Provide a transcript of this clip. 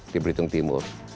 di belitung timur